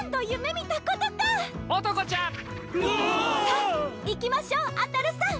さあ行きましょうあたるさん。